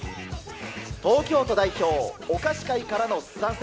東京都代表、お菓子界からの参戦。